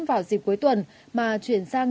vào dịp cuối tuần mà chuyển sang